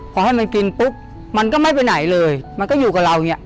พอให้มันกินปุ๊บมันก็ไม่ไปไหนเลยมันก็อยู่กับเราอย่างนี้